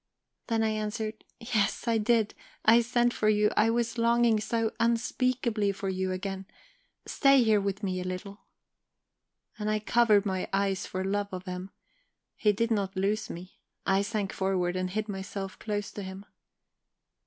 "Then I answered: "'Yes, I did I sent for you. I was longing so unspeakably for you again. Stay here with me a little.' "And I covered my eyes for love of him. He did not loose me; I sank forward and hid myself close to him.